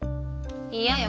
嫌よ。